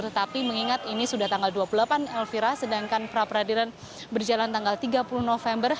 tetapi mengingat ini sudah tanggal dua puluh delapan elvira sedangkan pra peradilan berjalan tanggal tiga puluh november